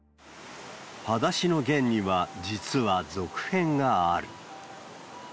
はだしのゲンには、実は続編がある。